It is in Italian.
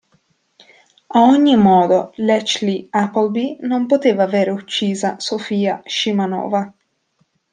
A ogni modo, Letchley Appleby non poteva avere uccisa Sofia Scimanova.